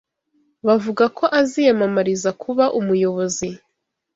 Bavuga ko aziyamamariza kuba umuyobozi.